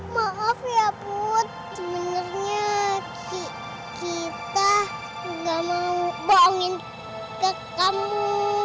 maaf ya put sebenarnya kita gak mau bangun ke kamu